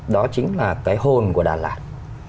đó chính là cái hồn của đà lạt